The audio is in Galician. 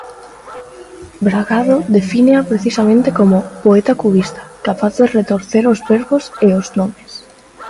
Bragado defínea precisamente como "poeta cubista", capaz de retorcer os verbos e os nomes.